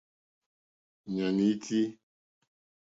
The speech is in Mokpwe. Ɲàm í tí.